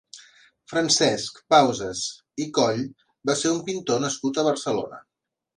Francesc Pausas i Coll va ser un pintor nascut a Barcelona.